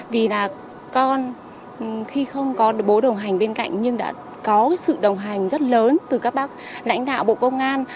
vì là con khi không có bố đồng hành bên cạnh nhưng đã có sự đồng hành rất lớn từ các bác lãnh đạo bộ công an